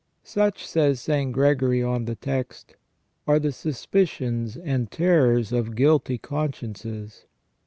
" Such," says St. Gregory on the text, " are the suspicions and terrors of guilty consciences.